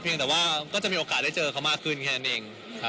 ยังแต่ว่าก็จะมีโอกาสได้เจอเขามากขึ้นแค่นั้นเอง